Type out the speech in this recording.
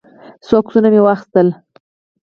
څو عکسونه مې واخیستل.